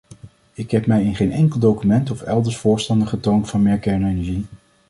Ik heb mij in geen enkel document of elders voorstander getoond van meer kernenergie.